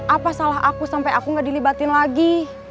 apa salah aku sampai aku gak dilibatin lagi